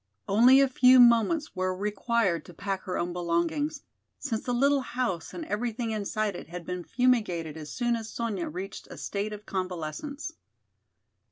Only a few moments were required to pack her own belongings, since the little house and everything inside it had been fumigated as soon as Sonya reached a state of convalescence.